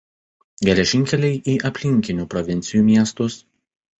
Geležinkeliai į aplinkinių provincijų miestus.